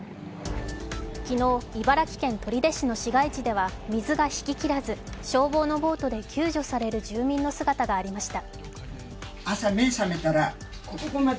昨日、茨城県取手市の市街地では水が引ききらず消防のボートで救助される住民の姿がありました。